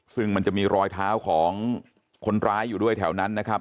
ซึ่งมันจะมีรอยเท้าของคนร้ายอยู่ด้วยแถวนั้นนะครับ